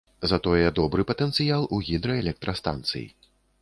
Затое добры патэнцыял у гідраэлектрастанцый.